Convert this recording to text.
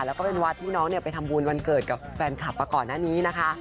แล้วก็เป็นวัดที่น้องไปทำบุญวันเกิดกับแฟนคลับมาก่อนหน้านี้นะคะ